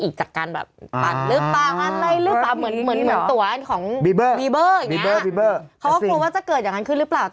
ขายมา๒เดือนแล้ว